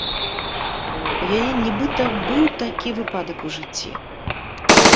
У яе, нібыта, быў такі выпадак у жыцці.